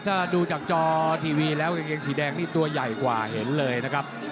ถ้าดูจากจอทีวีแล้วกางเกงสีแดงนี่ตัวใหญ่กว่าเห็นเลยนะครับ